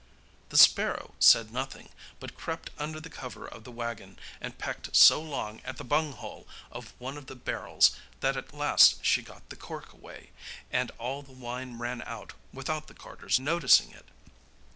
The sparrow said nothing, but crept under the cover of the waggon and pecked so long at the bunghole of one of the barrels that at last she got the cork away, and all the wine ran out without the carter's noticing it.